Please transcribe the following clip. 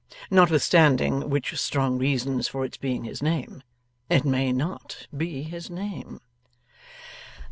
Notwithstanding which strong reasons for its being his name, it may not be his name.